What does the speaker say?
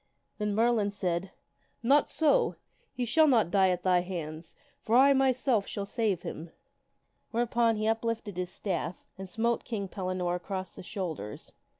Then Merlin said, " Not so! He shall not die at thy hands, for I, my self, shall save him." Whereupon he uplifted his staff and MerKn ^ a smote King Pellinore across the shoulders.